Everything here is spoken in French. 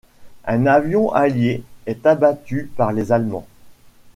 Un avion allié est abattu par les Allemands.